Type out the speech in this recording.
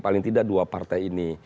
paling tidak dua partai ini